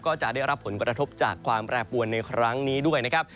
ก็จะได้รับผลกระทบจากความแปรปวนในครั้งนี้ด้วยนะครับ